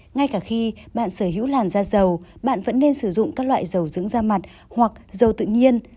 ngay cả khi bạn sở hữu làn da dầu bạn vẫn nên sử dụng các loại dầu dưỡng da mặt hoặc dầu tự nhiên